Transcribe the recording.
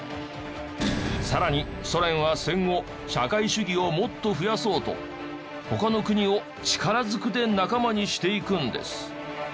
さらにソ連は戦後社会主義をもっと増やそうと他の国を力ずくで仲間にしていくんです。